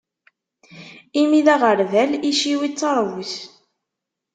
Imi d aɣerbal, iciwi d taṛbut.